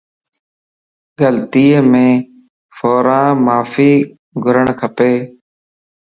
غلطيءَ مَ فوران معافي گڙ کپ